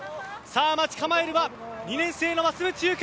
待ち構えるは２年生の増渕祐香